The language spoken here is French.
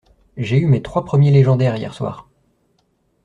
J'ai eu mes trois premiers légendaires, hier soir.